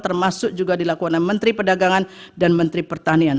termasuk juga dilakukan oleh menteri perdagangan dan menteri pertanian